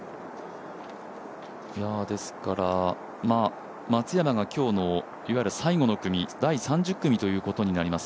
ですから松山が今日のいわゆる最後の組第３０組ということになります。